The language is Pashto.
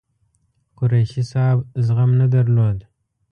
قریشي صاحب زغم نه درلود.